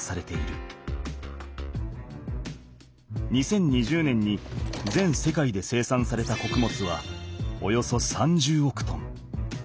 ２０２０年に全世界で生産されたこくもつはおよそ３０億トン。